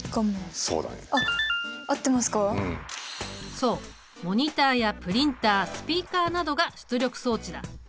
そうモニタやプリンタスピーカーなどが出力装置だ。